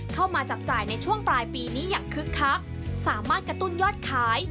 เข้ามาจับจ่ายในช่วงปลายปีนี้อย่างคึกคักสามารถกระตุ้นยอดขาย